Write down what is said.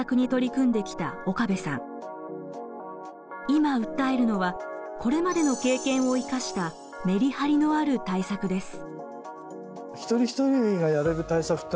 今訴えるのはこれまでの経験を生かしたメリハリのある対策です。